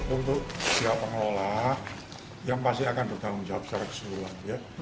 untuk pihak pengelola yang pasti akan bertanggung jawab secara keseluruhan